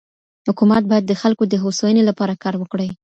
حکومت بايد د خلګو د هوساینې لپاره کار وکړي.